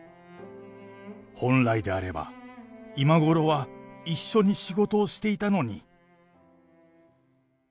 本来であれば、今ごろは一緒に仕事をしていたのに。